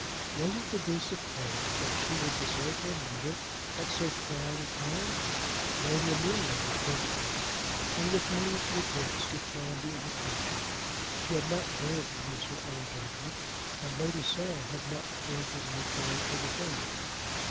Was it to be supposed that she would desert her mother at so trying a time? Lady Amelia was then asked, and with many regrets declined the invitation. She had not dared to use her own judgment, and Lady Sarah had not cordially advised her to go.